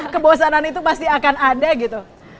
kebosanan itu pasti akan ada gitu